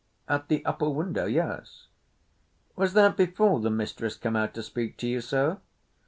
"At the upper window? Yes." "Was that before the mistress come out to speak to you, Sir?"